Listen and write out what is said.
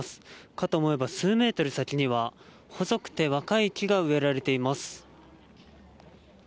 かと思えば、数メートル先には細くて若い木が植えられています。